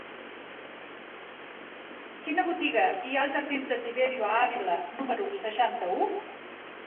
Quina botiga hi ha als jardins de Tiberio Ávila número seixanta-u?